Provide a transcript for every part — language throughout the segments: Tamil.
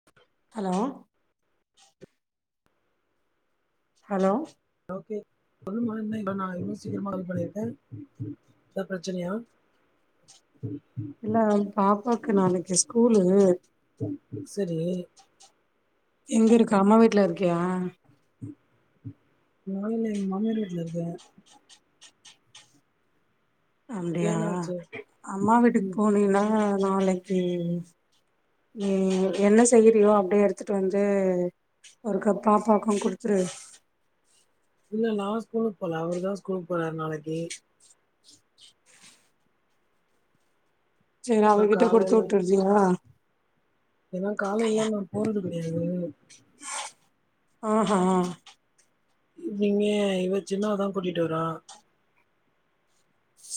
[inaudible] ஹலோ ஹலோ ஓகே சொல்லுமா இவ்ளோ சீக்கிரமா பண்ணியிருக்கே ஏ பிரச்சனையா [inaudible] [inaudible] இல்ல பாப்பாவுக்கு நாளைக்கு ஸ்கூலு சரி எங்க இருக்க அம்மா வீட்ல இருக்கியா நா இல்ல எங்க மாமியார் வீட்ல இருக்க அப்டியா ஏன்னாச்சு அம்மா வீட்டுக்கு ம் போனீன்னா நாளைக்கி நி என்ன செய்யறியோ அப்டியே எடுத்துட்டு வந்து ஒரு கப் பாப்பாக்கூ குடுத்துரு இல்ல நா ஸ்கூலுக்கு போல அவர் தா ஸ்கூலுக்கு போராரு நாளைக்கு செரி நா அவரு கிட்ட குடுத்து வுட்டுரியா ஏன்னா காலையல நா போறது கெடையாது ஆஹா இங் இங்க இவ சின்னவதா கூட்டிட்டு வரா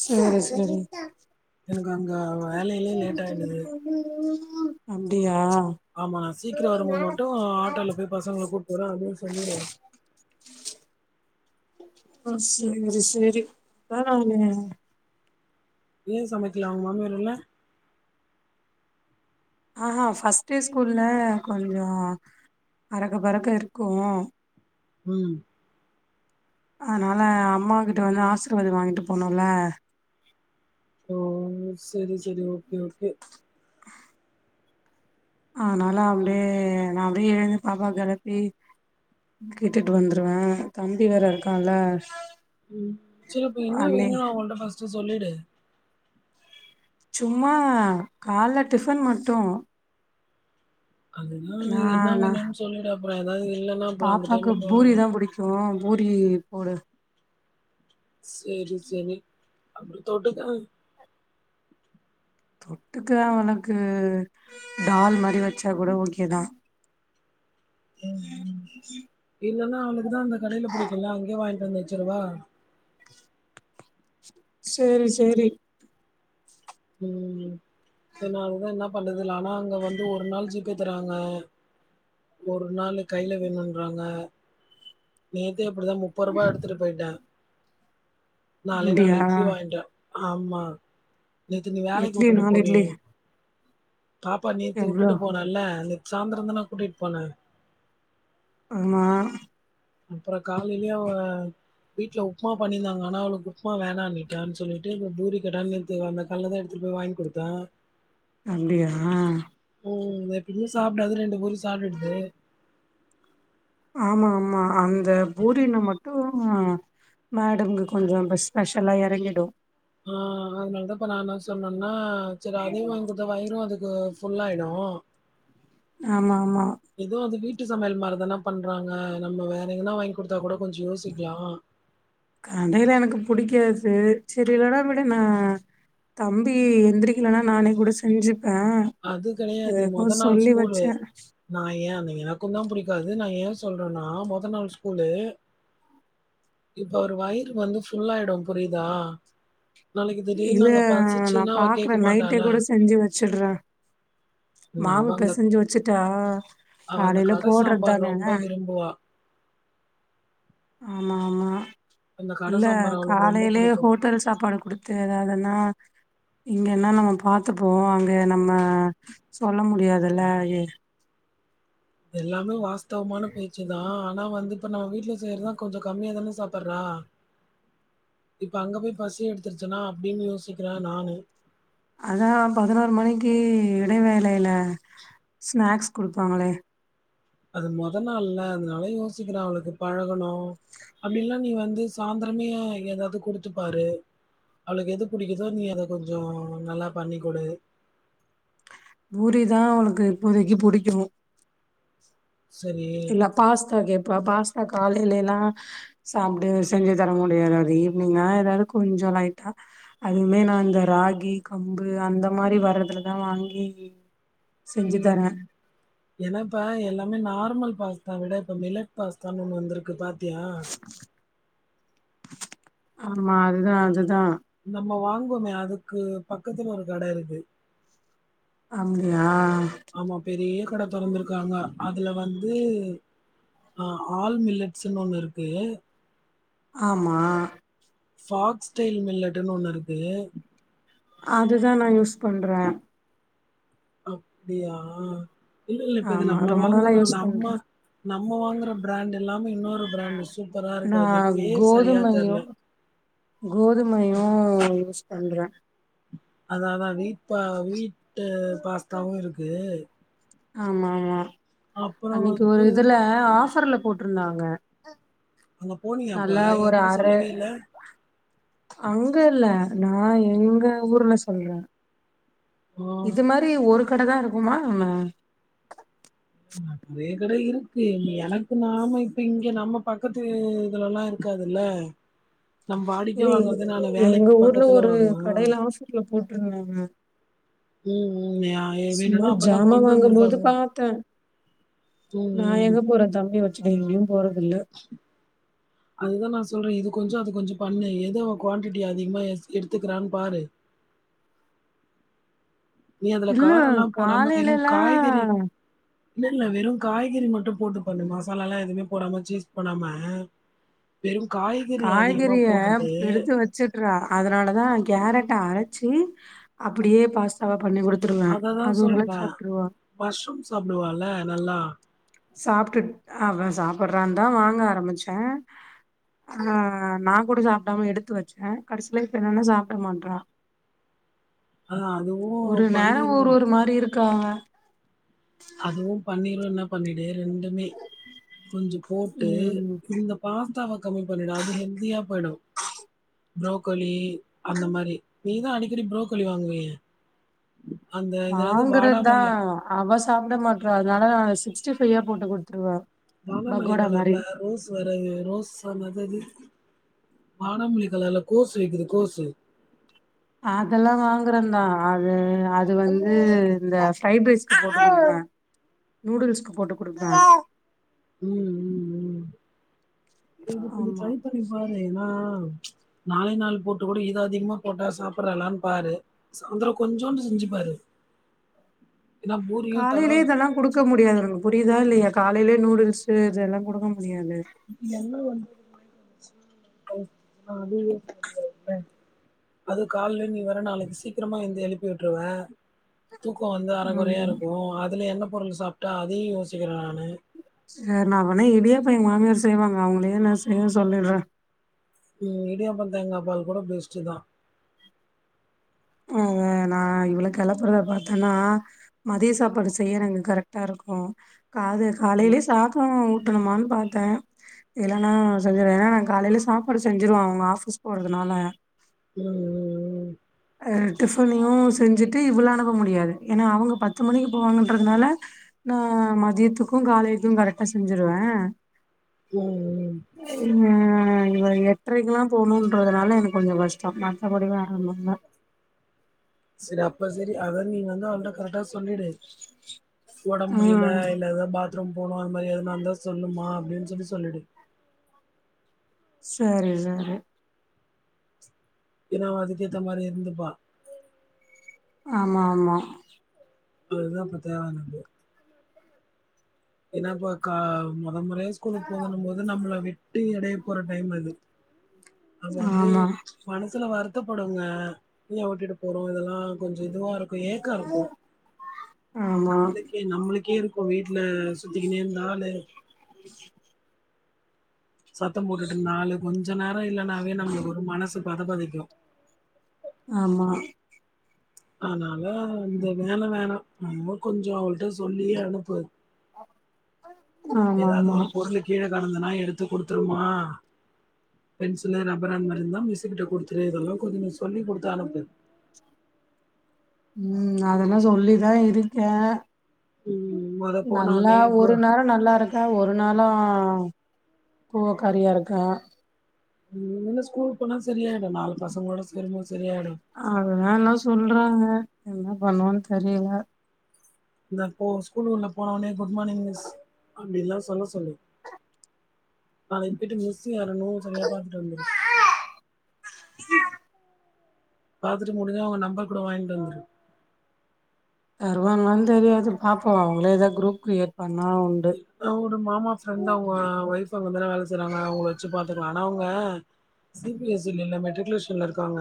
சரி சரி எனக்கு அங் வேலையிலே லேட் ஆய்டுது அப்டியா ஆமா சீக்கிரோ வரும்போது மட்டு ஆட்டோல போய் பசங்கள கூப்னு வரேன் அப்டின்னு சொல்லிடு ஆ செரி செரி வேணாங்குறியா ஏன் சமைக்கல அவங்க மாமியர் இல்ல ஆஹா ஃபர்ஸ்ட் டே ஸ்கூல்ல கொஞ்சோ அறக்க பறக்க இருக்கூ ம் அதனால அம்மாக்கிட்ட வந்து ஆசிர்வாதோ வாங்கிட்டு போனும்ல ஓ செரி செரி ஓகே ஓகே அதனால அப்டியே நா அப்டியே எழுந்து பாப்பா கெலப்பி விட்டுட்டு வந்துருவே தம்பி வேற இருக்கான்ல ம் சேரி அப்ப என்ன அண்ணே வேணு அங்கட்ட பர்ஸ்ட்டு சொல்லிடு சும்மா கால்ல டிஃபன் மட்டு அதுதா நா என்ன நா வேணு சொல்லிடு அப்பறோ ஏதாவது இல்ன்னா அப்பறோ அந்த டைம்ல போகணு ஆ பூரி ஏறி போட செரி செரி அப்பறோ தொட்டுக்க தொட்டுக்க அவனுக்கு டால் மாரி வெச்சா கூட ஓகே தா ம் ம் இல்லன்னா அவளுக்குதா அந்த கடையில புடிக்குல்ல அங்கயே வாங்கிட்டு வந்து வச்சிரவா செரி செரி ம் அதனால என்னா பண்றது நாளா அங்க வந்து ஒரு நாள் ஜீப்பேதறாங்க ஒரு நாள் கையில வேணுன்றாங்க நேத்தே இப்டிதா முப்பதுரூபா எடுத்துட்டு போயிட்டா நாளே நாள் அப்டியா இட்லி வாங்ட்டா ஆமா நேத்து நீ வேலைக்கு இட்லி உட்டுட்டு நாலு இட்லி போனியே பாப்பா நேத்து எவ்ளோ உட்டுட்டு போனல்ல அது சாந்திரதான கூட்டிட்டு போன ஆமா அப்பறோ காலையிலயு அவ வீட்ல உப்மா பண்ணிருந்தாங்க ஆனா அவளளுக்கு உப்புமா வேண்டானீட்டு சொல்லிவிட்டு இவ பூரி கேட்டான்னு தீ அந்த கல்லதா எடுத்துட்டு போய் வாங்கி குடுத்த அப்டியா ஓ எப்பமே சாப்டாது ரெண்டு பூரி சாப்ட்டதது ஆமா ஆமா அந்த பூரினா மட்டு மேடம்கு கொஞ்சோ பஸ் ஸ்பெஷலா எறங்கிடோ ஆ அதனால தாப்பா நா நா சொன்னேனா செரி அதே வாங்கி குடுத்தா வயிறு அது யோ ஃபுல்லா ஆயிடோ ஆமா ஆமா இதுவு அது வீட்டு சமையல் மாரிதானா பண்றாங்க நம்ம வேற எங்கன்னா வாங்கி கொடுத்தா கூட கொஞ்சோ யோசிக்கலாம் கடையில எனக்கு புடிக்காது சேரி இல்லனா விடு நா தம்பி எந்திரிக்கலனா நானே கூட செஞ்சுப்ப அது கடையாது மொத நாள் ஸ்கூலு நான் ஏன் அந்த எனக்கு தா புடிக்காது நா ஏன் சொல்றேன்னா மொத நாள் ஸ்கூலு இப்ப அவரு வயிறு வந்து ஃபுல்லாயிடு புரியிதா இல்ல நா அவ பாக்குற கேட்க நைட்டே மாட்டாள. கூட செஞ்சி வெச்சிட்ற ம் அவ மாவு அந்த பெசஞ்சி வெச்சுட்டா காலையில போட்றது தான ம்போவா ஆமா ஆமா அந்த கடை இல்ல சாம்பார் அவளுக்கு ரொம்ப காலையிலயே பிடிக்கும். ஹோட்டல் சாப்பாடு குடுத் து யதாதுன்னா இங்கனா நம்ம பாத்துப்போ அங்க நம்ம சொல்ல முடியாதல்ல எல்லாமே வாஸ்தவமான பேச்சு தா ஆனா வந்து இப்ப நம்ம வீட்ல செய்யறத கொஞ்சோ கம்மியா தான சாப்பற்றா இப்போ அங்க போய் பசி எடுத்துருச்சுன்னா அப்டின்னு யோசிக்கிற நானு ஆனா பதினோரு மணிக்கி இடைவேளையில ஸ்நாக்ஸ் குடுப்பாங்களே அது முதல் நாள்ல அதனால யோசிக்கறா அவளுக்கு பழகணு அப்டில்லா நீ வந்து சாந்தரமே ஏதாவது குடுத்துப்பாரு அவளுக்கு எது புடிக்குதோ நீ அத கொஞ்சோ நல்லா பண்ணி குடு பூரி தா அவனுக்கு இப்போதைக்கி புடிக்கோ சரி இல்ல பாஸ்தா கேட்போ பாஸ்தா காலையிலல்லா சாப்டே செஞ்சி தர முடியாது அது ஈவி்னிங்கா ஏதாவது கொஞ்சோ லைட்டா அதுவுமே நான் இந்த ராகி கம்பு அந்த மாரி வர்றதுலதா வாங்கி செஞ்சி தரே ஏன்னாப்ப எல்லாமே நார்மல் பாஸ்தா விட இப்ப மிலட் பாஸ்தான்னு ஒண்ணு வந்துருக்கு பாத்தியா ஆமா அதுதா அதுதா நம்ம வாங்கோமே அதுக்கு பக்கத்துல ஒரு கட இருக்கு அங்கயா ஆமா பெரிய கட தொறந்திருக்காங்க அதுல வந்து ஆ ஆல் மில்லட்ஸ்னு ஒன்னு இருக்கு ஆமா ஃபாக்ஸ் ஸ்டைல் மில்லட்டுனு ஒன்னு இருக்கு அதுதா நா யூஸ் பண்றே அப்டியா இல்ல இல்ல இப்ப இது ஆமா நம்ம ரொம்ப நாளா வாங்குறோ யூஸ் நம்ம பண்றேன். நம்ம வாங்குற பிராண்ட் இல்லாம இன்னொரு பிராண்டு் சூப்பரா இருக்கு அது நான் பேர் சரியா கோதுமையு தெர்ல கோதுமையு யூஸ் பண்றே அதா அதா நீத்தா வீட்டு பாஸ்தாவு இருக்கு ஆமா ஆமா அப்புறம் அன்னக்கி வந்து ஒரு இதுல ஆஃபர்ல போட்டிருந்தாங்க அங்க போனியா அப்ப எங்கிட்ட சொல்லவே இல்ல அங்க இல்ல நா எங்க ஊர்ல சொல்றே ஆ. இது மாரி ஒரு கட தா இருக்குமா என்ன ம் வேற கட இருக்கு இங்க எனக்கு நாம இப்ப இங்க நம்ம பக்கத்து இதுலல்லா இரு க்காதுல இல்ல எங்க வேலைக்கு ஊர்ல பக்கத்துல ஒரு வாங்குவே கடயில ஆஃபர்ல போட்டுருந்தாங்க ம் ம் யா சும்மா வேணுன்னா அப்பதா ஜாமா கொண்டு வாங்கும்போது வந்திருப்பாங்க பாத்தே ம் நா ம் எங்க போறே தம்பி வச் சு எங்கயு போறதில்ல அதுதா நா சொல்றே இது கொஞ்சோ அது கொஞ்சோ பண்ணு எதோ குவான்டிட்டி அதிகமா எடுத் எடுத்துக்கிறானு பாரு நீ அதுல இல்ல காரெல்லா போடாம வெருங் காய்கறி காலையிலல்லா இல்ல இல்ல வெறு காய்கறி மட்டு போட்டு பண்ணு மசாலால்லா எதுவுமே போடாம சீஸ் பண்ணாம வெறுங் காய்கறி அதிகமா போட்டுட்டு டுறா அதனால தா கேரட்ட அரச்சி அப்டியே பாஸ்தாவா பண்ணி குடுத் ட்ருலா அததா அது ஒரு அளவுக்கு சொல்றே சாப்ட்டுருவா மஷ்ரூம் சாப்பிடுவால நல்லா சாப்டுட் அவன் சாப்பிடுறான் தா வாங்க ஆரம்பிச்சே ஆ நா கூட சாப்பிடாம எடுத்து வச்சே கடைசில இப்ப என்னன்னா சாப்பிட மாட்றா ஆ ஒரு அதுவும் நேரோ ஒரு பண்ணிருவோம். ஒரு மாரி இருக்காங்க அதுவு பன்னீர் இருந்தா பண்ணிடு ரெண்டுமே கொஞ்சு கோப்ட்டு ம் இந்தப் பாஸ்தாவ கம்மி பண்ணிடு அது ஹெல்தியா போயிடு புரோக்கோலி அந்த மாரி நீ தா அடிக்கடி புரோக்கோலி வாங்குவியே அந்த இது என்னது வாங்கறது தா வாடாமல்லி அவ சாப்பிட மாட்றா அதனால நா சிக்ஸ்டி ஃபைவா போட்டு குடுத்துருவே வாடாமல்லி பகோடா மாரி கலர்ல ரோஸ் பிறகு ரோஸ் அந்ததது வாட மல்லிக்கலர்ல கோசு வைக்குது கோசு அதெல்லா வாங்குறந்தா அது அது வந்து இந்த ஃப்ரைப் ரைஸ்கு போட்டு குடுத்து வுட்ருவே நூடுல்ஸ்கு போட்டு குடுப்பே ம் ம் ம். இது கொஞ்சோ ஆமா ட்ரை பண்ணி பாரு ஏனா நாளு நாள் போட்டு கூட இது அதிகமா போட்டா சாப்ட்றாலானு பாரு சாய்ந்தரோ கொஞ்சோண்டு செஞ்சு பாரு ஹ ஏன்னா பூரியும் தல காலைலயே இதெல்லா குடுக்க முடியாது உனக்கு புரியுதா இல்லையா காலைலயே நூடுல்ஸு இதெல்லா குடுக்க முடியாது இது என்ன ஒன் [inaudible] அது காலைல நீ வர நாளைக்கி சீக்கிரமா இந்து எழுப்பி விட்ருவே தூக்க வந்து அரைகுறையா ஆமா இருக்கு அதில எண்ண பொருள் சாப்ட்டு அதையு யோசிக்றே நானு சார் நா வேனே இடியாப்ப எங்க மாமியார் செய்வாங்க அவங்களே நா செய்ய சொல்லிட்றே ம் இடியாப்ப தேங்காய் பால் கூட பெஸ்ட் தா அத நா இவள கெளப்பறத பாத்தன்னா மதிய சாப்பாடு செய்யரங்க கரெக்டா இருக்கு காது காலையிலயே சாத ஊட்டணுமானு பாத்தே இல்லன்னா செஞ்சுறுவே ஏனா நா காலைல சாப்பாடு செஞ்சுடுவே அவங்க ஆஃபீஸ் போறதுனால ம் ஆ டிஃபனையு செஞ்சுட்டு இவள அனுப முடியாது ஏன்னா அவங்க பத்து மணிக்கு போவாங்கன்றதுனால நா மதியத்துக்கு காலையுக்கு கரெக்டா செஞ்சிருவே ம் ம் இவ எட்ரைக்குலா போணுன்றதுனால எனக்கு கொஞ்சோ கஷ்ட மத்தபடிலா வேற ஒன்னு இல்ல சரி அப்பா சரி அதா நீ வந்து அவள்ட கரெக்டா சொல்லிடு ஓட முடில ம் இல்லதா பாத்ரூம் போணு அது மாறி எதுனா இருந்தா சொல்லுமா அப்டின்னு சொல்லி சொல்லிடு சரி சரி ஏனா அதுக்கேத்த மாரி இருந்துப்பா ஆம ஆமா இல்ல இதா பிரச்சனையா என்னன்டு என்னாப்ப கா முத முறையா ஸ்கூலுக்கு போதனும் போது நம்மள மிரி ட்டி எடய போற டைம் அது அப்ப வந்து ஆமா மனசுல வருத்தப்படுங்க ஏ ஓட்டிட்டு போறோ இதெல்லா கொஞ்சோ இதுவா இருக்கு கொய்யஏக்கா இருக்கு ஆமா நம்ளுக்கே நம்ளுக்கே இருக்கு வீட்ல சுத்திகினெ இருந்த ஆளு [inaudible] சத்தம் போட்டுட்டு இருநாலு கொஞ்சோ நேர இல்லனாவே நம்மளுக்கு ஒரு மனசு பத பதைக்கு ஆமா அதனால இந்த வேலை வேண நம கொஞ்சோ அவள்ட சொல்லியே அனுப்பு ஆமா ஏதாது ஆமா ஒரு பொருள் கீழ கடந்தனா எடுத்து குடுத்துருமா பென்சிலு ரப்பர் அந்த மாறி இருந்தா மிசிக்கிட்ட கொடுத்துரு இதெல்லா கொஞ்ச சொல்லி கொடுத்து அனுப்பு ம் அதெல்லா சொல்லிதா இருக்கே ம் மொத போன ஒன்னே நல்லா கு ஒரு நேர நல்லா இருக்க ஒரு நாளு கோவக்காரியா இருக்க ம் என்ன ஸ்கூல் போனா சரியாயிடு நாலு பசங்களோட சேரும்போது சரியாயிடு அதுதா எல்லா சொல்றாங்க என்ன பண்ணுவன்னு தெரியல இந்த இப்போ ஸ்கூல்குள்ளே போன உடனே குட் மார்னிங் மிஸ் அப்டின்ல்லா சொல்ல சொல்லு நாளைக்கு போயிட்டு மிஸு யாருணு சரியா பாத்துட்டு வந்துரு பாத்துட்டு முடிஞ்சா அவங்க நம்பர் கூட வாங்கிட்டு வந்துரு தருவான்னா தெரியாது பாப்போ அவங்களே ஏதா குரூப் கிரியேட் பண்ணா ல்லனா உடு மாமா ஃப்ரெண்ட் அவங்க ஒயஃப் அங்கதான வேலை செய்றாங்க அவங்கள வச்சு பா த்துகலா ஆனா அவங்க சி பி எஸ் சி ல இல்ல மெட்ரிகுலேஷன்ல இருக்காங்க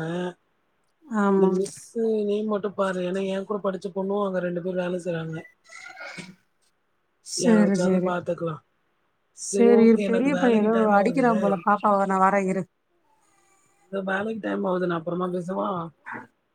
நீ ஆமா மிஸு நேம் மட்டு பாரு ஏன்னா ஏ கூட படிச்சு பொண்ணு அங்க ரெண்டு பேர் வேல செய்றாங்க [inaudible] யார சேரி வச்சாது சேரி பாத்துக்கலா சரி சேரி ஓகே எனக்கு பெரிய பைய வேலைக்கு ஏதோ டைம் ஆகுது அடிக்கிறா போல பாப்பாவ நா வரே இரு தோ வேலைக்கு டைம் ஆது நா அப்புறமா பேசவா [inaudible]